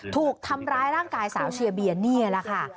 ถูกทำร้ายร่างกายสาวเชียร์เบียนนี่แหละค่ะ